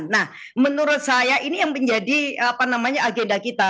nah menurut saya ini yang menjadi agenda kita